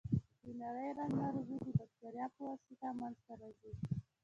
د نري رنځ ناروغي د بکتریا په واسطه منځ ته راځي.